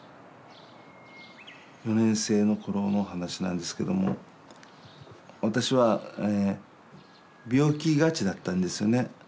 ４年生の頃の話なんですけども私は病気がちだったんですよね。